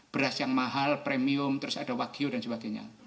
beras yang mahal premium terus ada wagyu dan sebagainya